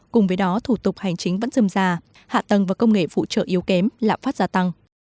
cùng với đó thủ tục hành chính vẫn dâm ra hạ tầng và công nghệ phụ trợ yếu kém lạm phát gia tăng